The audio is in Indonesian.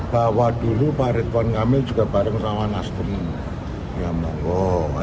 bahwa dulu pak ridwan kamil juga bareng sama nas peni ya munggo